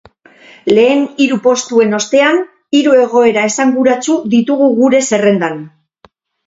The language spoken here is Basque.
Lehen hiru postuen ostean, hiru igoera esanguratsu ditugu gure zerrendan.